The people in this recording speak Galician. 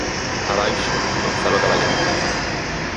Abaixo: Gonzalo Caballero.